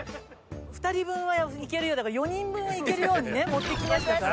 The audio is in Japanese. ２人分はいけるようだから４人分はいけるようにね持ってきましたから。